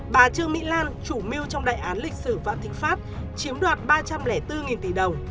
bà trương mỹ lan chủ mưu trong đại án lịch sử vạn thịnh pháp chiếm đoạt ba trăm linh bốn tỷ đồng